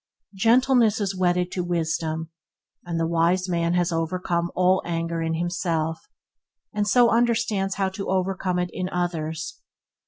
Gentleness is wedded to wisdom, and the wise man has overcome all anger in himself, and so understands how to overcome it in others.